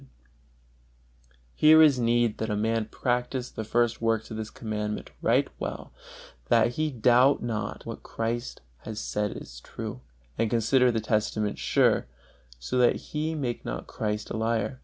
Here there is need that a man practise the first works of this Commandment right well, that he doubt not that what Christ has said is true, and consider the testament sure, so that he make not Christ a liar.